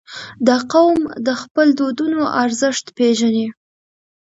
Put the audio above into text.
• دا قوم د خپلو دودونو ارزښت پېژني.